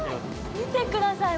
見てください。